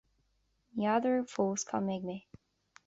ní fheadar fós cá mbeidh mé